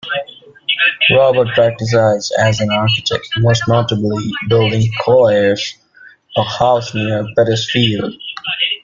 Robert practised as an architect, most notably building Collyers, a house near Petersfield.